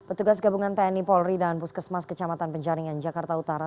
petugas gabungan tni polri dan puskesmas kecamatan penjaringan jakarta utara